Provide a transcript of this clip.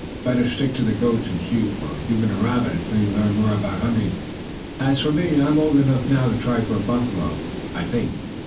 Better stick to the goats and the sheep, or even a rabbit, until you learn more about hunting. As for me, I am old enough now to try for a buffalo, I think.